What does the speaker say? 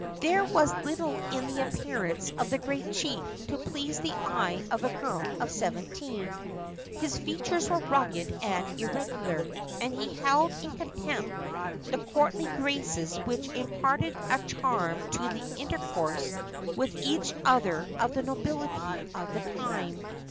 There was little in the appearance of the great chief to please the eye of a girl of seventeen. His features were rugged and irregular, and he held in contempt the courtly graces which imparted a charm to the intercourse with each other of the nobility of the time.